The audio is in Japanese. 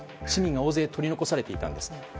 市民が大勢取り残されていたんです。